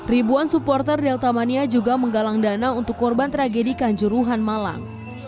ribuan supporter delta mania juga menggalang dana untuk korban tragedi kanjuruhan malang